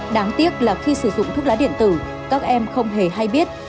đáng tiếc là khi sử dụng thuốc lá điện tử các em không hề hay biết